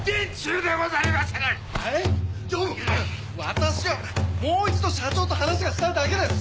私はもう一度社長と話がしたいだけです！